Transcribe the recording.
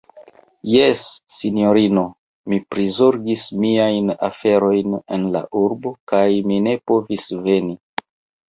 Jes, sinjorino, mi prizorgis miajn aferojn en la urbo kaj mi ne povis veni.